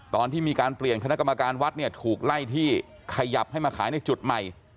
ตอนที่มีการเปลี่ยนคณะกรรมการวัดเนี่ยถูกไล่ที่ขยับให้มาขายในจุดใหม่